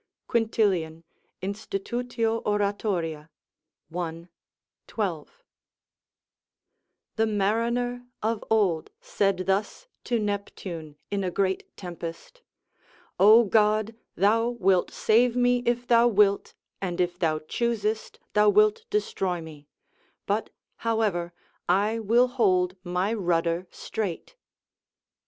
Quintilian, Inst. Orat., i. 12.] The mariner of old said thus to Neptune, in a great tempest: "O God, thou wilt save me if thou wilt, and if thou choosest, thou wilt destroy me; but, however, I will hold my rudder straight."